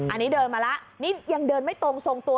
อันนี้เดินมาแล้วนี่ยังเดินไม่ตรงทรงตัว